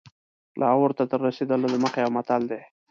لاهور ته تر رسېدلو دمخه یو متل دی.